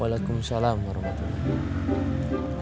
waalaikumsalam warahmatullahi wabarakatuh